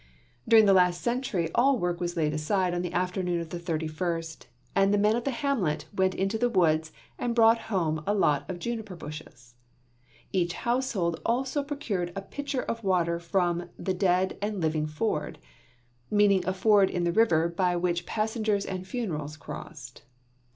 During the last century, all work was laid aside on the afternoon of the thirty first, and the men of the hamlet went to the woods and brought home a lot of juniper bushes. Each household also procured a pitcher of water from "the dead and living ford," meaning a ford in the river by which passengers and funerals crossed.